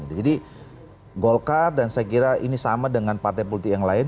jadi golkar dan saya kira ini sama dengan partai politik yang lain